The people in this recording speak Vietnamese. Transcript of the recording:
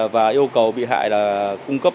và yêu cầu bị hại là cung cấp